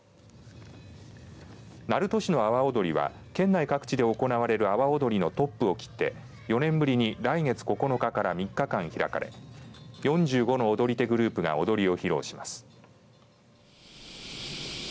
鳴門市の阿波おどりは県内各地で行われる阿波おどりのトップを切って４年ぶりに来月９日から３日間開かれ４５の踊り手グループが踊りを披露します。